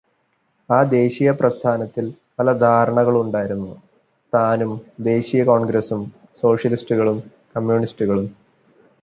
ആ ദേശീയപ്രസ്ഥാനത്തില് പല ധാരകളുണ്ടായിരുന്നു താനും -- ദേശീയ കോണ്ഗ്രസും, സോഷ്യലിസ്റ്റുകളും, കമ്യൂണിസ്റ്റുകളും.